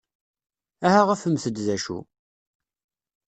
Aha afemt-d d acu!